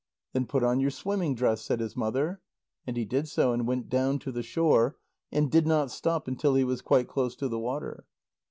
"Then put on your swimming dress," said his mother. And he did so, and went down to the shore, and did not stop until he was quite close to the water.